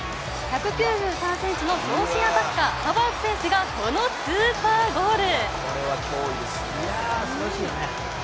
１９３ｃｍの長身アタッカー、ハヴァーツ選手がこのスーパーゴール！